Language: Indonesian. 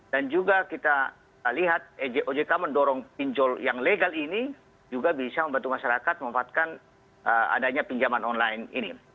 dan juga kita lihat ojk mendorong pinjol yang legal ini juga bisa membantu masyarakat memanfaatkan adanya pinjaman online ini